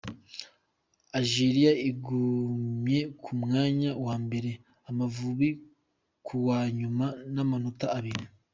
Ageria igumye ku mwanya wa mbere, Amavubi ku wa nyuma n’amanota abiri.